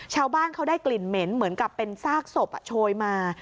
ชาวบ้านเขาได้กลิ่นเหม็นเหมือนกับเป็นซากศพโชยมา